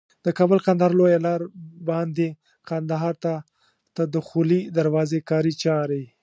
د کابل کندهار لویه لار باندي کندهار ته د دخولي دروازي کاري چاري